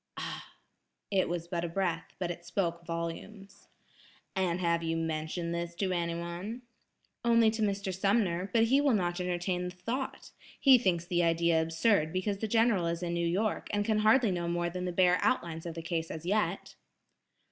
"Ah!" It was but a breath, but it spoke volumes. "And have you mentioned this to anyone?" "Only to Mr. Sumner, but he will not entertain the thought. He thinks the idea absurd because the General is in New York, and can hardly know more than the bare outlines of the case as yet."